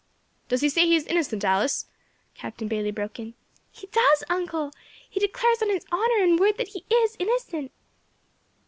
"Does he say he is innocent, Alice?" Captain Bayley broke in. "He does, uncle; he declares on his honour and word that he is innocent."